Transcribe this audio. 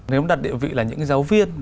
nếu đặt địa vị là những giáo viên